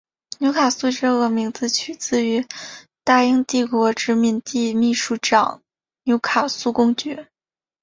纽卡素这个名字取自于大英帝国殖民地秘书长纽卡素公爵。